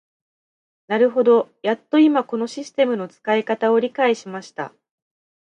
なるほど、やっと今このシステムの使い方を理解しました。